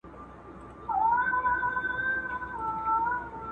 آیا احترام تر سپکاوي ښه عمل دی؟